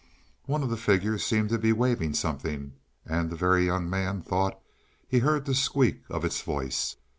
One of the figures seemed to be waving something, and the Very Young Man thought he heard the squeak of its voice.